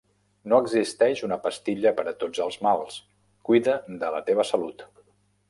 No existeix una pastilla per a tots els mals, cuida de la teva salut.